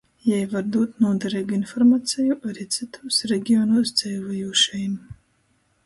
Jei var dūt nūdereigu informaceju ari cytūs regionūs dzeivojūšajim.